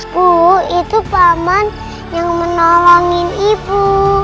bu itu paman yang menolongin ibu